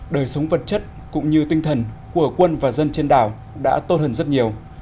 đời sống vật chất cũng như tinh thần của quân và dân trên đảo đã tốt hơn rất nhiều